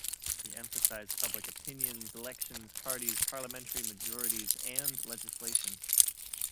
He emphasized public opinion, elections, parties, parliamentary majorities, and legislation.